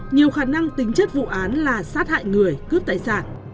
nhiều khả năng tính chất vụ án là sát hại người cướp tài sản